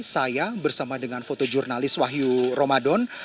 saya bersama dengan foto jurnalis wahyu romadhon